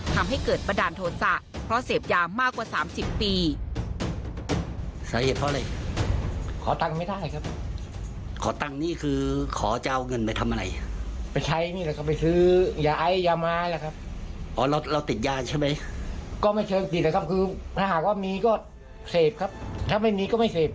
ทำให้เกิดบันดาลโทษะเพราะเสพยามากกว่า๓๐ปี